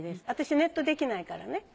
私ネットできないからね。